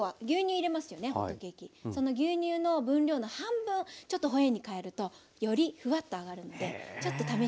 その牛乳の分量の半分ちょっとホエーにかえるとよりフワッとあがるのでちょっと試してみて下さい。